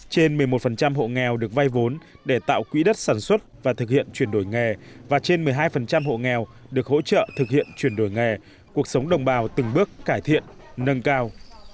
trên một mươi một hộ nghèo được vay vốn để tạo quỹ đất sản xuất và thực hiện chuyển đổi nghề và trên một mươi hai hộ nghèo được hỗ trợ thực hiện chuyển đổi nghề cuộc sống đồng bào từng bước cải thiện nâng cao